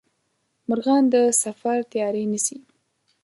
مرغان د سفر تیاري نیسي